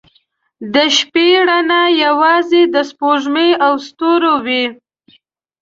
• د شپې رڼا یوازې د سپوږمۍ او ستورو وي.